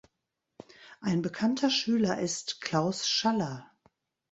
Ein bekannter Schüler ist Klaus Schaller.